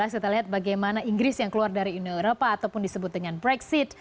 kita lihat bagaimana inggris yang keluar dari uni eropa ataupun disebut dengan brexit